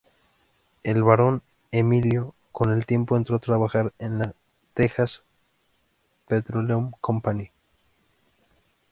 El varón, Emilio, con el tiempo entró a trabajar en la Texas Petroleum Company.